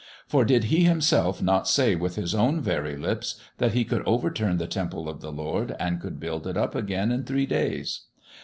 For did He Himself not say with His own very lips that He could overturn the Temple of the Lord and could build it up again in three days.